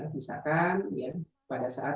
misalkan pada saat